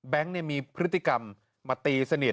แบงก์นี่มีพฤติกรรมมาตีสนิท